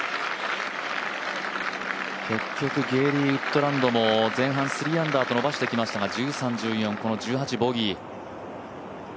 結局ゲーリー・ウッドランドも前半伸ばしてきましたが１３、１４、この１８、ボギー。